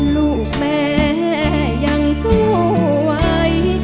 ลูกแม่ยังสวย